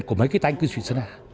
của mấy cái tanh cư xuyên xã hội